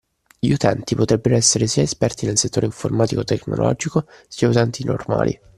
Gli utenti potrebbero essere sia esperti nel settore informatico/tecnologico, sia utenti normali